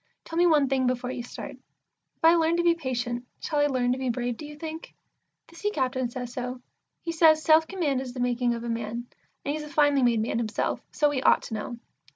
Tell me one thing before you start. If I learn to be patient, shall I learn to be brave, do you think? The Sea captain says so. He says, "Self command is the making of a man," and he's a finely made man himself, so he ought to know.